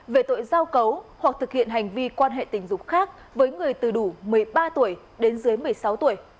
về tội giao cấu hoặc thực hiện hành vi quan hệ tình dục khác với người từ đủ một mươi ba tuổi đến dưới một mươi sáu tuổi